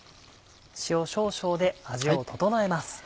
塩少々で味を調えます。